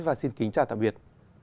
và xin kính chào tạm biệt